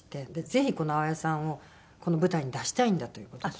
ぜひこの淡谷さんをこの舞台に出したいんだという事で。